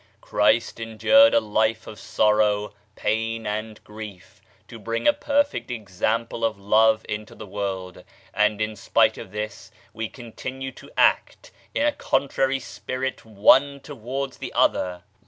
Christ endured a life of sorrow, pain and grief, to bring a perfect example of love into the world and in spite of this we continue to act in a contrary spirit one towards the other